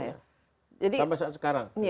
sampai saat sekarang